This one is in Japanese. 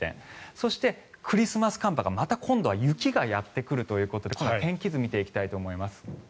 そして、クリスマス寒波がまた今度は雪がやってくるということで今度は天気図を見ていきたいと思います。